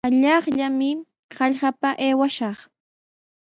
Allaqllami hallqapa aywashaq.